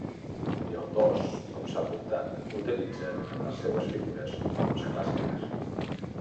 I els dos, com s'ha apuntat, utilitzen en les seues figures fonts clàssiques.